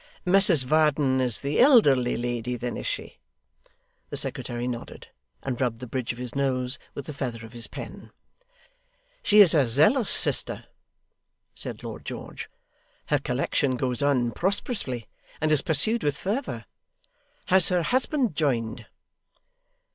'Mrs Varden is the elderly lady then, is she?' The secretary nodded, and rubbed the bridge of his nose with the feather of his pen. 'She is a zealous sister,' said Lord George. 'Her collection goes on prosperously, and is pursued with fervour. Has her husband joined?